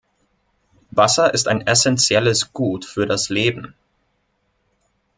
Wasser ist ein essentielles Gut für das Leben.